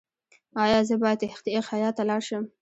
ایا زه باید خیاط ته لاړ شم؟